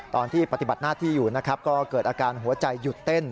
ตอนที่ปฏิบัติหน้าที่อยู่นะครับก็เกิดอาการหัวใจหยุดเต้น